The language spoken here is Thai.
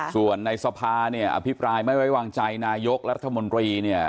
ส่วนในสภาเนี่ยอภิปรายไม่ไว้วางใจนายกรัฐมนตรีเนี่ย